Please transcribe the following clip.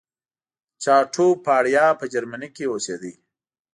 چاټوپاړیا په جرمني کې اوسېدی.